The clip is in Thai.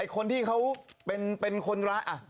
คนที่เขาเป็นคนร้าย